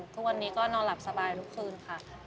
ทุกวันนี้ก็นอนหลับสบายทุกคืนค่ะ